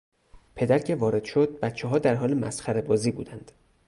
پدر که وارد شد بچهها در حال مسخره بازی بودند.